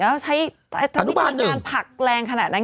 แล้วใช้ถ้ามีการผลักแรงขนาดนั้น